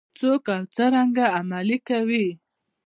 څوک او څرنګه عملي کوي؟